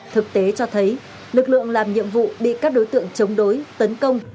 thực tế cho thấy lực lượng làm nhiệm vụ bị các đối tượng chống đối tấn công